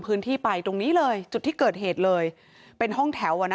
พื้นที่ไปตรงนี้เลยจุดที่เกิดเหตุเลยเป็นห้องแถวอ่ะนะ